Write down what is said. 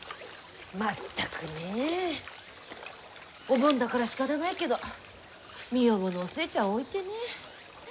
全くねえ。お盆だからしかたないけど身重のお寿恵ちゃんを置いてね。